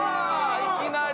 いきなり。